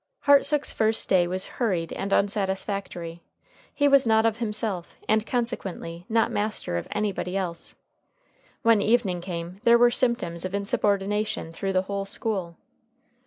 Hartsook's first day was hurried and unsatisfactory. He was not of himself, and consequently not master of anybody else. When evening came, there were symptoms of insubordination through the whole school.